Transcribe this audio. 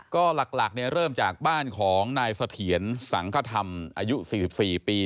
ก็หลักเริ่มจากบ้านของนายเสถียรสังคธรรมอายุ๔๔ปี